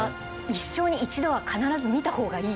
一生に一度は必ず見た方がいい。